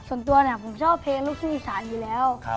ส่วนตัวเนี่ยผมชอบเพลงลูกชูอีสานอยู่แล้ว